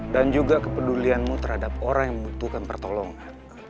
dan juga kepedulianmu terhadap orang yang membutuhkan pertolongan